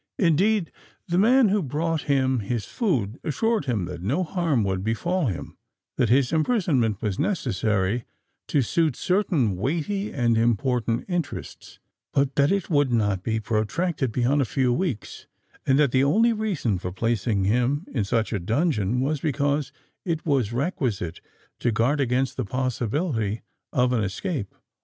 Indeed, the man who brought him his food assured him that no harm would befall him,—that his imprisonment was necessary to suit certain weighty and important interests, but that it would not be protracted beyond a few weeks,—and that the only reason for placing him in such a dungeon was because it was requisite to guard against the possibility of an escape.